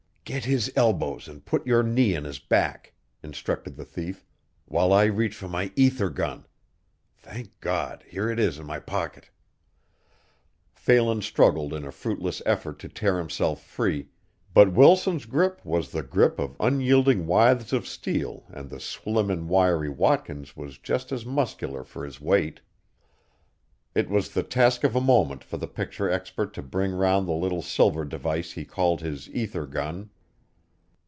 "Get his elbows and put your knee in his back," instructed the thief, "while I reach for my ether gun. Thank God! Here it is in my pocket." Phelan struggled in a fruitless effort to tear himself free, but Wilson's grip was the grip of unyielding withes of steel and the slim and wiry Watkins was just as muscular for his weight. It was the task of a moment for the picture expert to bring round the little silver device he called his ether gun.